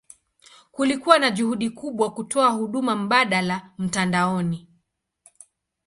Kulikuwa na juhudi kubwa kutoa huduma mbadala mtandaoni.